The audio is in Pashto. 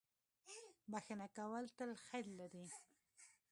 • بښنه کول تل خیر لري.